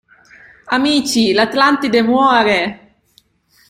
Amici, l'Atlantide muore!